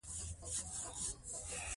زراعت د افغانستان د صادراتو مهمه برخه ده.